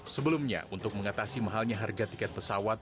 sebelumnya untuk mengatasi mahalnya harga tiket pesawat